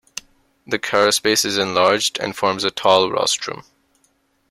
The carapace is enlarged, and forms a tall rostrum.